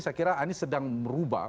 saya kira anies sedang merubah